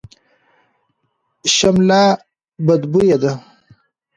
شمله بدبویه ده.